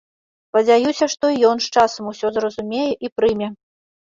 Спадзяюся, што і ён з часам усё зразумее і прыме.